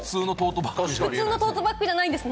普通のトートバッグじゃないんです。